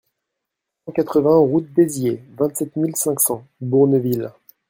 cent quatre-vingts route d'Aizier, vingt-sept mille cinq cents Bourneville